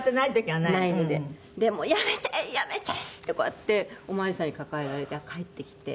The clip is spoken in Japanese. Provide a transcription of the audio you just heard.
で「やめてやめて」ってこうやってお巡りさんに抱えられて帰ってきて。